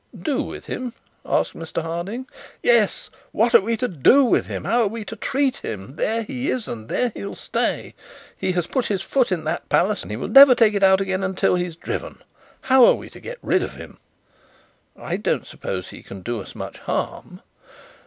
'Do with him?' asked Mr Harding. 'Yes what are we to do with him? How are we to treat him? There he is, and there he'll stay. He has put his foot in that palace, and he will never take it out again till he's driven. How are we to get rid of him?' 'I don't suppose he can do us much harm.'